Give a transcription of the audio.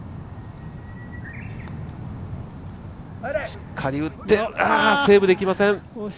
しっかり打ってセーブできません！